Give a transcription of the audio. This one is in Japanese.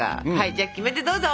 じゃあキメテどうぞ！